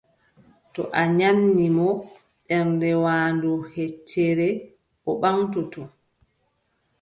To a nyaamni mo ɓernde waandu heccere, o ɓaŋtoto.